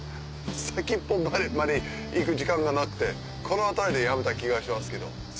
先っぽまで行く時間がなくてこの辺りでやめた気がしますけど。